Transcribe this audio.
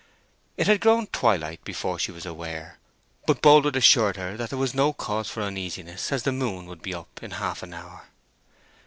It had grown twilight before she was aware, but Boldwood assured her that there was no cause for uneasiness, as the moon would be up in half an hour.